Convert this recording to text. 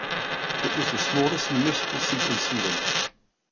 It is the smallest municipal seat in Sweden.